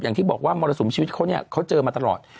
อย่างที่บอกว่ามรสุมชีวิตเขาเนี่ยเขาเจอมาตลอด